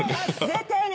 絶対に。